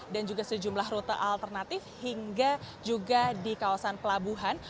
dan juga sejumlah rute alternatif hingga juga di kawasan pelabuhan